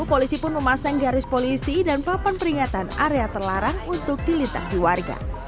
polisi pun memasang garis polisi dan papan peringatan area terlarang untuk dilintasi warga